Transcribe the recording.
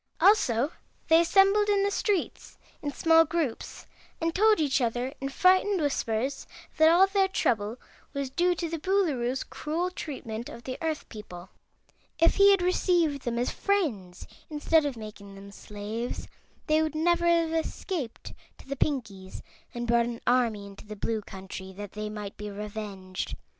Also they assembled in the streets in small groups and told each other in frightened whispers that all their trouble was due to the Boolooroo's cruel treatment of the Earth people. If he had received them as friends instead of making them slaves, they would never have escaped to the Pinkies and brought an army into the Blue Country, that they might be revenged.